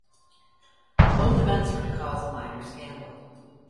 Both events were to cause a minor scandal.